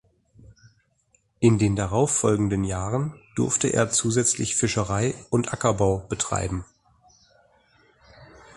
In den darauffolgenden Jahren durfte er zusätzlich Fischerei und Ackerbau betreiben.